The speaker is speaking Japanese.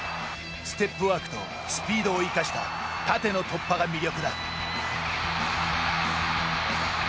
ステップワークとスピードを生かした縦の突破が魅力だ。